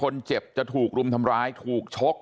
แล้วป้าไปติดหัวมันเมื่อกี้แล้วป้าไปติดหัวมันเมื่อกี้